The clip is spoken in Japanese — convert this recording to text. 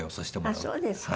あっそうですか。